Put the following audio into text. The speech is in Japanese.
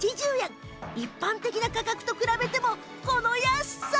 一般的な価格と比べてもこの安さ